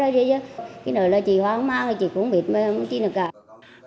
cái này là chị hoang mang chị không biết không tin được cả